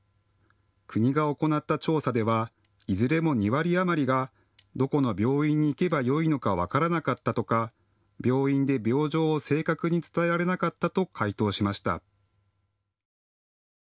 国が行った調査ではいずれも２割余りがどこの病院に行けばよいのか分からなかったとか、病院で病状を正確に伝えられなかったと回答しました。